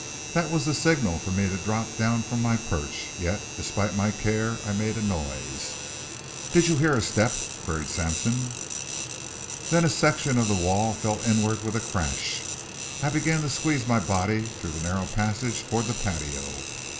That was the signal for me to drop down from my perch, yet despite my care I made a noise. "Did you hear a step?" queried Sampson. Then a section of the wall fell inward with a crash. I began to squeeze my body through the narrow passage toward the patio.